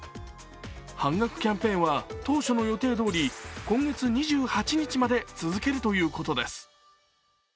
半額キャンペーンは当初の予定どおり今月２８日まで続けるということです。